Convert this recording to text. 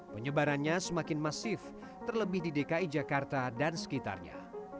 penyebarannya semakin masif terlebih di dki jakarta dan sekitarnya